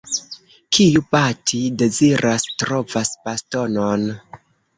Kiu bati deziras, trovas bastonon.